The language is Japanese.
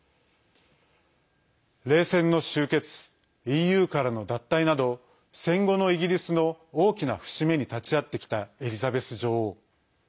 冷戦の終結、ＥＵからの脱退など戦後のイギリスの大きな節目に立ち会ってきたエリザベス女王。